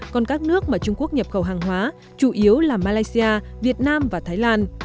còn các nước mà trung quốc nhập khẩu hàng hóa chủ yếu là malaysia việt nam và thái lan